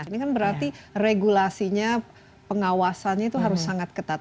ini kan berarti regulasinya pengawasannya itu harus sangat ketat